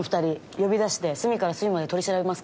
呼び出して隅から隅まで取り調べますか？